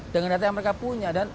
dengan data yang mereka punya